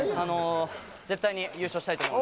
絶対に優勝したいと思うので。